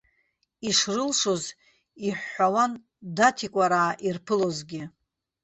Ишрылшоз иҳәҳәауан даҭикәараа ирԥылозгьы.